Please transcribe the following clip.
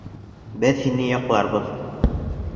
Беҙ һине яҡларбыҙ!